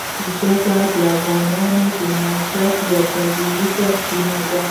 ژبې د افغانانو د معیشت یوه طبیعي سرچینه ده.